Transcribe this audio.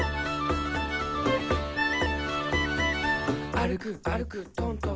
「あるくあるくとんとんと」